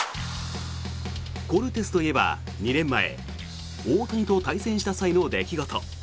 コルテスといえば２年前大谷と対戦した際の出来事。